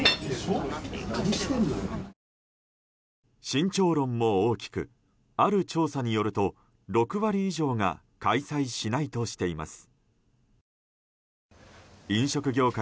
慎重論も大きくある調査によると６割以上が開催しないとしています。